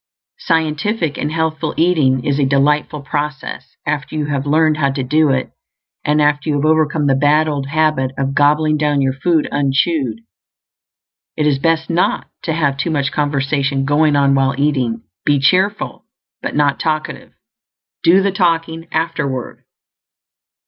Scientific and healthful eating is a delightful process after you have learned how to do it, and after you have overcome the bad old habit of gobbling down your food unchewed. It is best not to have too much conversation going on while eating; be cheerful, but not talkative; do the talking afterward.